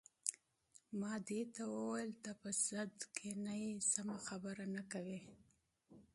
ما دې ته وویل: ته په سد کې نه یې، سمه خبره نه کوې.